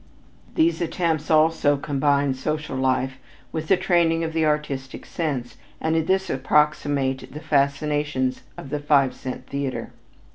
These attempts also combine social life with the training of the artistic sense and in this approximate the fascinations of the five cent theater.